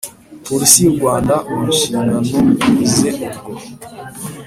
Polisi y u Rwanda mu nshingano ze Urwo